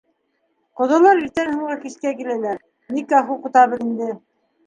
Ҡоҙалар иртәнән һуңға кискә киләләр, никах уҡытабыҙ инде.